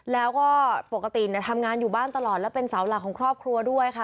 แล้วก็ปกติทำงานอยู่บ้านตลอดและเป็นเสาหลักของครอบครัวด้วยค่ะ